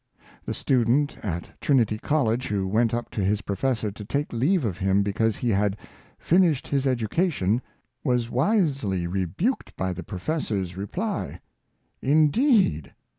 The student at Trinity College who went up to his professor to take leave of him because he had " finished his educa tion/' was wisely rebuked by the professor's reply, " Indeed!